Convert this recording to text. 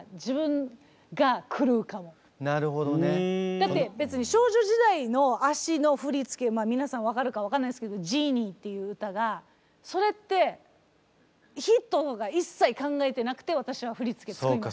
だって別に少女時代の脚の振付皆さん分かるか分かんないですけど「ＧＥＮＩＥ」っていう歌がそれってヒットとか一切考えてなくて私は振付作りました。